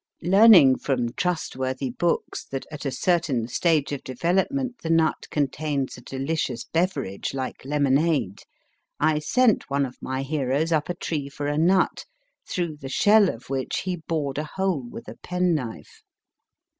Learning from trustworthy . M. BALLANTYNE 157 books that at a certain stage of development the nut contains a delicious beverage like lemonade, I sent one of my heroes up a tree for a nut, through the shell of which he bored a hole with a penknife.